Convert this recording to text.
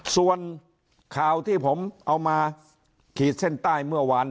ส่วนข่าวที่ผมเอามาขีดเส้นใต้เมื่อวาน